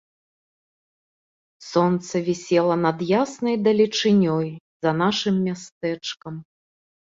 Сонца вісела над яснай далечынёй за нашым мястэчкам.